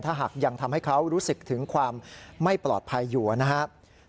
ถ้าหากยังทำให้เขารู้สึกถึงความไม่ปลอดภัยอยู่นะครับ